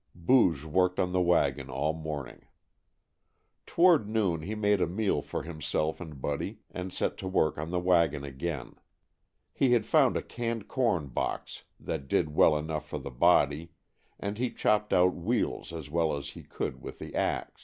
Booge worked on the wagon all morning. Toward noon he made a meal for himself and Buddy, and set to work on the wagon again. He had found a canned corn box that did well enough for the body, and he chopped out wheels as well as he could with the ax.